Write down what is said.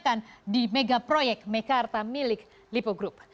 pertanyaan akan di mega proyek mekarta milik lipo group